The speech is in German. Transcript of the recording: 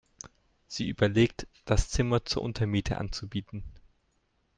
Sie überlegt, das Zimmer zur Untermiete anzubieten.